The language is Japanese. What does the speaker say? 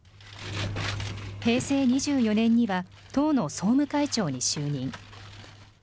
平成２４年には、党の総務会長に就任。